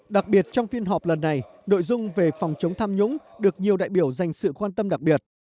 đặc biệt trong phiên họp lần này nội dung về phòng chống tham nhũng được nhiều đại biểu dành sự quan tâm đặc biệt